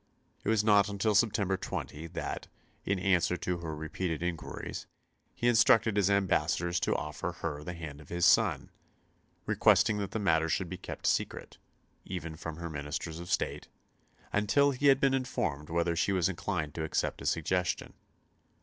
It was not until September 20 that, in answer to her repeated inquiries, he instructed his ambassadors to offer her the hand of his son; requesting that the matter should be kept secret, even from her ministers of State, until he had been informed whether she was inclined to accept his suggestion.